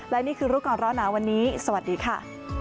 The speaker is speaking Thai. และนี่คือรู้ก่อนร้อนหนาวันนี้สวัสดีค่ะ